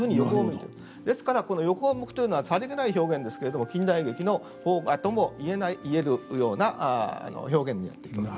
ですから横を向くというのはさりげない表現ですけれども近代劇の萌芽とも言えるような表現になっていきます。